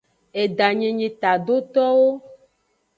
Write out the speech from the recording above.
Edanyi nyi tadotowo.